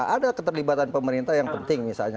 ada keterlibatan pemerintah yang penting misalnya